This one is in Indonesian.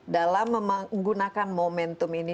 dalam menggunakan momentum ini